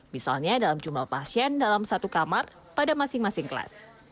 misalnya dalam jumlah pasien dalam satu kamar pada masing masing kelas